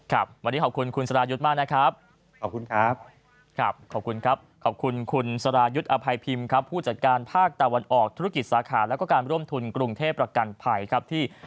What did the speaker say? ครับวันนี้ขอบคุณสะลายุทธ์มากนครับ